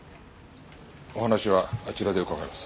お話はあちらで伺います。